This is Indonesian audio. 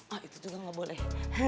ah itu juga gak boleh